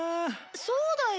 そうだよ。